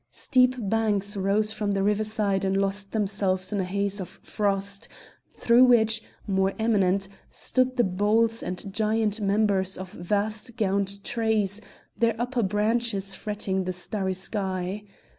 Steep banks rose from the riverside and lost themselves in a haze of frost, through which, more eminent, stood the boles and giant members of vast gaunt trees, their upper branches fretting the starry sky.